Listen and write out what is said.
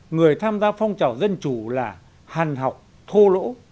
người tham gia phong trào dân chủ là hàn học thô lỗ